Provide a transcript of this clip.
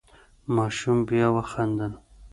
ماشوم بیا وخندل.